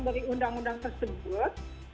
dari undang undang tersebut